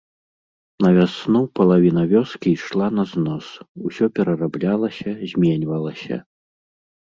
На вясну палавіна вёскі ішла на знос, усё перараблялася, зменьвалася.